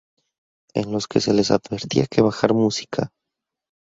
en los que se les advertía que bajar música